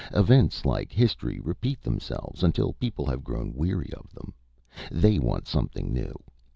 Events, like history, repeat themselves, until people have grown weary of them. They want something new.